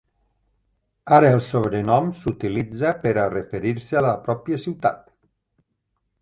Ara el sobrenom s'utilitza per a referir-se a la pròpia ciutat.